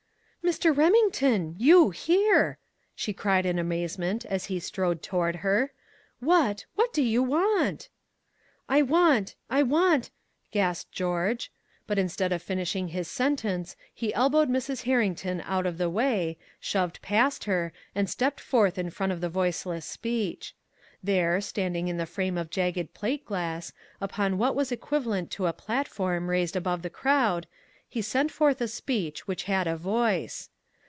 "Mr. Remington, you here!" she cried in amazement as he strode toward her. "What what do you want?" "I want I want " gasped George. But instead of finishing his sentence he elbowed Mrs. Herrington out of the way, shoved past her, and stepped forth in front of the Voiceless Speech. There, standing in the frame of jagged plate glass, upon what was equivalent to a platform raised above the crowd, he sent forth a speech which had a voice.